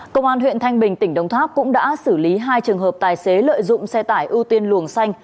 công an huyện thanh bình tỉnh đồng tháp cũng đã xử lý hai trường hợp tài xế lợi dụng xe tải ưu tiên luồng xanh